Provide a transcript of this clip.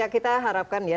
ya kita harapkan ya